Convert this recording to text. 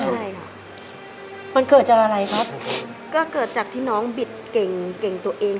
ใช่ค่ะมันเกิดจากอะไรครับก็เกิดจากที่น้องบิดเก่งเก่งตัวเอง